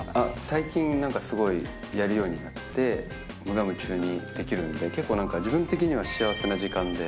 最近なんかすごい、やるようになって、無我夢中にできるので、結構なんか自分的には幸せな時間で。